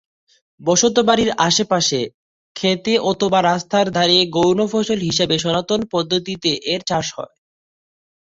বসতবাড়ির আশেপাশে, ক্ষেতে অথবা রাস্তার ধারে গৌণ ফসল হিসেবে সনাতন পদ্ধতিতে এর চাষ হয়।